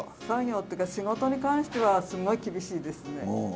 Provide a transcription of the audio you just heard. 作業っていうか仕事に関してはすごい厳しいですね。